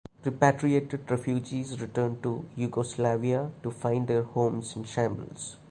Repatriated refugees returned to Yugoslavia to find their homes in shambles.